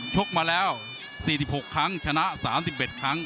กมาแล้ว๔๖ครั้งชนะ๓๑ครั้ง